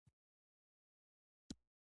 د ذاتي چارو د اساساتو تنظیم کول اړین دي.